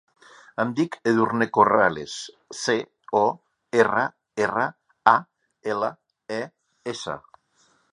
Em dic Edurne Corrales: ce, o, erra, erra, a, ela, e, essa.